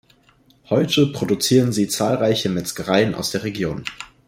Heute produzieren sie zahlreiche Metzgereien aus der Region.